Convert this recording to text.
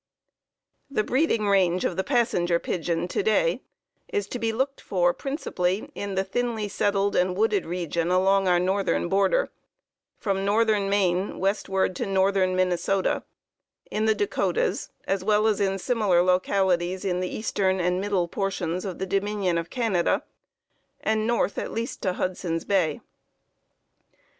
The breeding range of the Passenger Pigeon to day is to be looked for principally in the thinly settled and wooded region along our northern border, from northern Maine westward to northern Minnesota; in the Dakotas, as well as in similar localities in the eastern and middle portions of the Dominion of Canada, and north at least to Hudson's Bay.